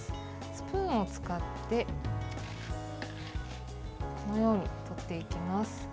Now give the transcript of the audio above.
スプーンを使ってこのように取っていきます。